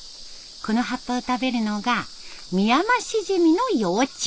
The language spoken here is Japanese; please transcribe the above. この葉っぱを食べるのがミヤマシジミの幼虫。